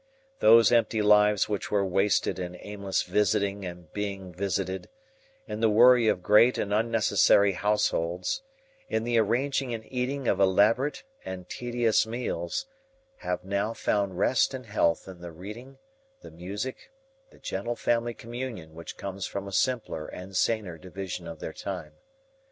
Those empty lives which were wasted in aimless visiting and being visited, in the worry of great and unnecessary households, in the arranging and eating of elaborate and tedious meals, have now found rest and health in the reading, the music, the gentle family communion which comes from a simpler and saner division of their time.